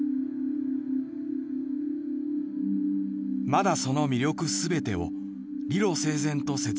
「まだその魅力全てを理路整然と説明できない。